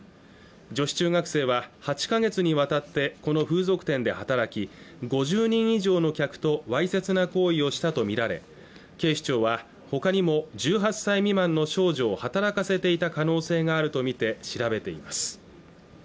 女子中学生は８か月にわたってこの風俗店で働き５０人以上の客とわいせつな行為をしたと見られ警視庁はほかにも１８歳未満の少女を働かせていた可能性があるとみて調べています